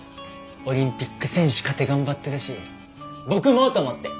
オリンピック選手かて頑張ってるし僕もと思って。